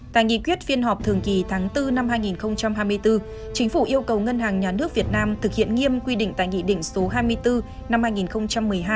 tại nghị quyết phiên họp thường kỳ tháng bốn năm hai nghìn hai mươi bốn chính phủ yêu cầu ngân hàng nhà nước việt nam thực hiện nghiêm quy định tại nghị định số hai mươi bốn năm hai nghìn một mươi hai